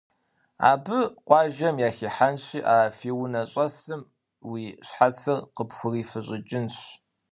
Абы къуажэм яхихьэнщи а фи унэ щӏэсым уи щхьэцыр къыпхурифыщӏыкӏынщ.